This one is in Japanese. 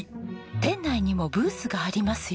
店内にもブースがありますよ。